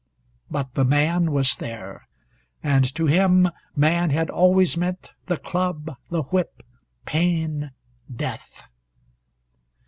But the man was there, and to him man had always meant the club, the whip, pain, death.